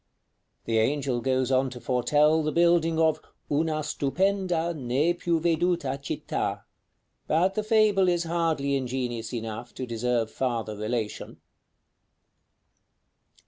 '" The angel goes on to foretell the building of "una stupenda, ne più veduta Città;" but the fable is hardly ingenious enough to deserve farther relation.